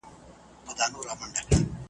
نه یې بیرته سوای قفس پیدا کولای .